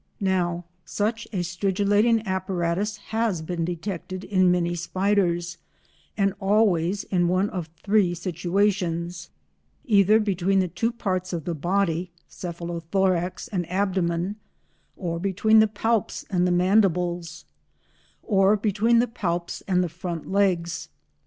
Now such a stridulating apparatus has been detected in many spiders, and always in one of three situations—either between the two parts of the body (cephalothorax and abdomen) or between the palps and the mandibles, or between the palps and the front legs.